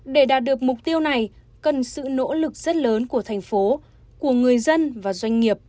để đạt được mục tiêu này cần sự nỗ lực rất lớn của thành phố của người dân và doanh nghiệp